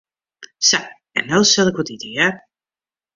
Sa, en no sil ik ek wat ite, hear.